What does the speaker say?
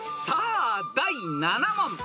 ［さあ第７問］